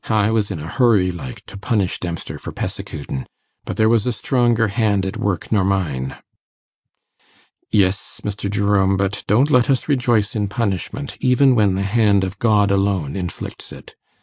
I was in a hurry, like, to punish Dempster for pessecutin', but there was a stronger hand at work nor mine.' 'Yes, Mr. Jerome; but don't let us rejoice in punishment, even when the hand of God alone inflicts it.